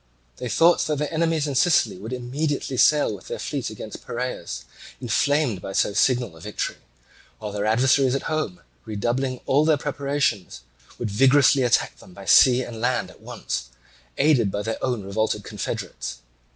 They thought that their enemies in Sicily would immediately sail with their fleet against Piraeus, inflamed by so signal a victory; while their adversaries at home, redoubling all their preparations, would vigorously attack them by sea and land at once, aided by their own revolted confederates.